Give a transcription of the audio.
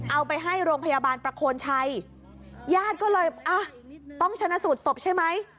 เอาไปให้โรงพยาบาลประโคนชัยญาติก็เลยอ่ะต้องชนะสูตรศพใช่ไหม